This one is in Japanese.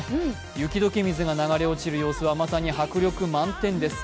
雪解け水が流れ落ちる様子はまさに迫力満点です。